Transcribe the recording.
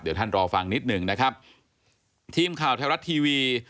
เดี๋ยวท่านรอฟังนิดหนึ่งนะครับทีมข่าวไทยรัฐทีวี